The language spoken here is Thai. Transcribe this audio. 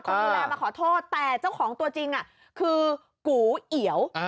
คนดูแลมาขอโทษแต่เจ้าของตัวจริงคือกูเอียว